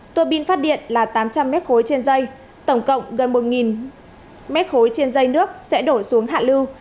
tùa pin phát điện là tám trăm linh m ba trên dây tổng cộng gần một m ba trên dây nước sẽ đổ xuống hạ lưu